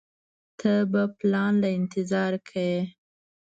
ته به پلان له انتظار کيې.